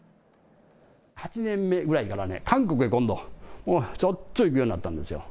８年目ぐらいからね、韓国へどんどんしょっちゅう行くようになったんですよ。